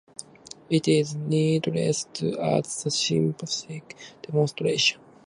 It is needless to add the synthetic demonstration.